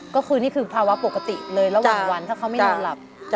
ก็คือนี่คือภาวะปกติเลยระหว่างวันถ้าเขาไม่นอนหลับ